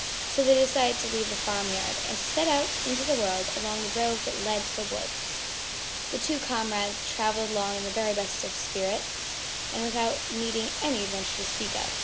So they decided to leave the farmyard and to set out into the world along the road that led to the woods. The two comrades traveled along in the very best of spirits and without meeting any adventure to speak of.